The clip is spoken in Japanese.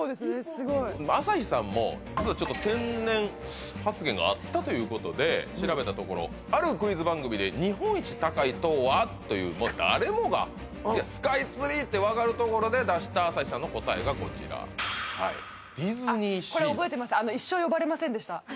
すごい朝日さんも実はちょっと天然発言があったということで調べたところあるクイズ番組で「日本一高い塔は？」というもう誰もがスカイツリーって分かるところで出した朝日さんの答えがこちらこれ覚えてます